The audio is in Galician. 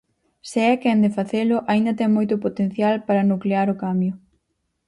Se é quen de facelo aínda ten moito potencial para nuclear o cambio.